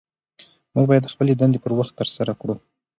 موږ باید خپلې دندې پر وخت ترسره کړو